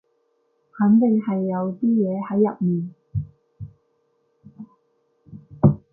肯定係有啲嘢喺入面